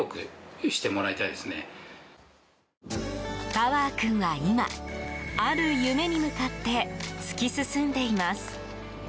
パワー君は今、ある夢に向かって突き進んでいます。